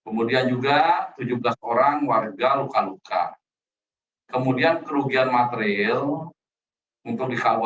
kemudian juga tujuh belas orang warga luka luka kemudian kerugian material untuk dikawal